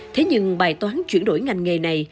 thế nhưng bài toán chuyển đổi ngành nghề này